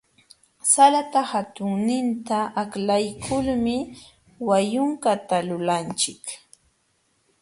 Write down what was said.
Salata hatunninta aklaykulmi wayunkata lulanchik.